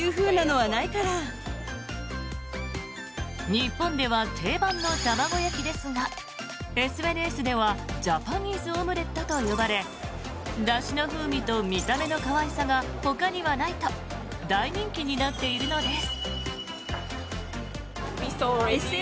日本では定番の卵焼きですがＳＮＳではジャパニーズ・オムレットと呼ばれだしの風味と見た目の可愛さがほかにはないと大人気になっているのです。